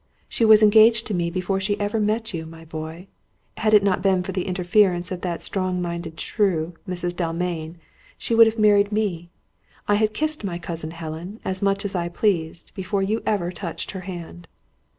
She was engaged to me before she ever met you, my boy. Had it not been for the interference of that strong minded shrew, Mrs. Dalmain, she would have married me. I had kissed my cousin Helen, as much as I pleased, before you had ever touched her hand."